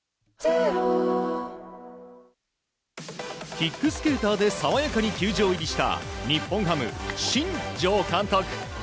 キックスケーターで爽やかに球場入りした日本ハム、新庄監督。